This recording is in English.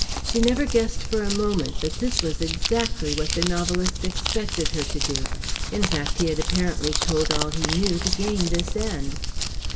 She never guessed for a moment that this was exactly what the novelist expected her to do, in fact, he had apparently told all he knew to gain this end.